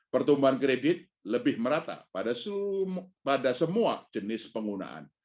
pertumbuhan kredit lebih merata pada semua jenis penggunaan